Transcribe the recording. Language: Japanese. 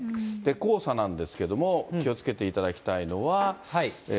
黄砂なんですけども、気をつけていただきたいのは。